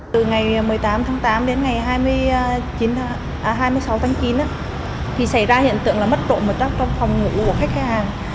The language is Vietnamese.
từ ngày một mươi tám tháng tám đến ngày hai mươi sáu tháng chín thì xảy ra hiện tượng là mất trộm một trăm linh trong phòng ngủ của khách hàng